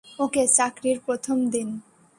ওকে, চাকরির প্রথম দিন।